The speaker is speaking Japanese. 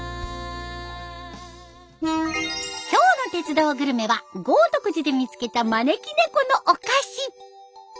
今日の「鉄道グルメ」は豪徳寺で見つけた招き猫のお菓子。